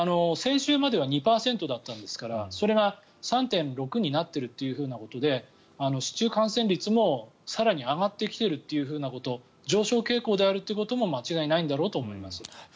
先週までは２％だったんですからそれが３．６になってるということで市中感染率も更に上がってきているということ上昇傾向であることも間違いないんだろうと思います。